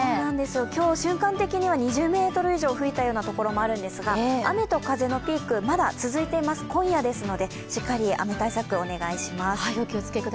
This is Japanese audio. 今日、瞬間的には２０メートル以上吹いたところもあるんですが、雨と風のピーク、まだ続いています今夜ですので、しっかり雨対策お願いします。